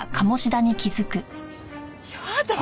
やだ！